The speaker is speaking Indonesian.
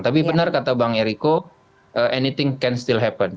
tapi benar kata bang eriko anything can still happen